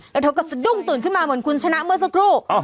แล้วเธอก็สะดุ้งตื่นขึ้นมาเหมือนคุณชนะเมื่อสักครู่